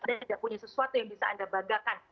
anda tidak punya sesuatu yang bisa anda banggakan